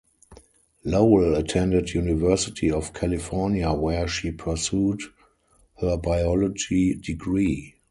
Lowell attended University of California where she pursued her Biology degree.